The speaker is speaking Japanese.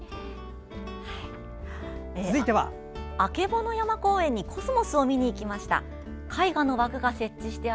あけぼの山公園にコスモスを見に行きました。